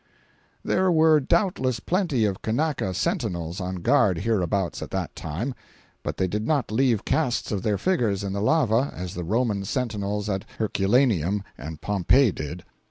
There were doubtless plenty of Kanaka sentinels on guard hereabouts at that time, but they did not leave casts of their figures in the lava as the Roman sentinels at Herculaneum and Pompeii did.